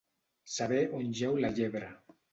Saber on jeu la llebre.